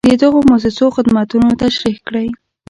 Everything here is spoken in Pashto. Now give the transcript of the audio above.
د دغو مؤسسو خدمتونه تشریح کړئ.